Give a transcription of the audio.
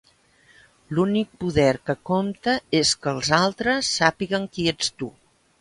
L'únic poder que compta és que els altres sàpiguen qui ets tu.